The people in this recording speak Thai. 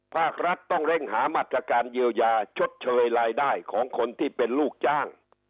ภาครัฐต้องเร่งหามาตรการเยียวยาชดเชยรายได้ของคนที่เป็นลูกจ้าง